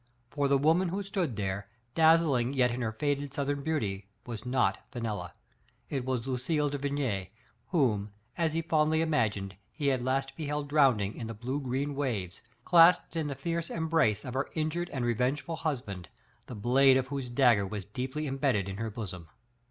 For the woman who stood there, dazzling yet in her faded southern beauty, was not Fenella ; it was Lucille de Vigny, whom, as he fondly imagined, he had last beheld drowning in the blue green waves, clasped in the fierce embrace of her injured and revengeful husband, the blade of whose dagger was deeply embedded in her bosom.